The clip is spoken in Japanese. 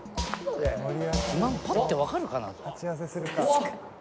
「肥満パッてわかるかな？」